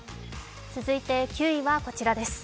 続いて９位はこちらです。